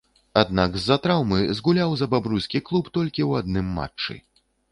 Аднак, з-за траўмы згуляў за бабруйскі клуб толькі ў адным матчы.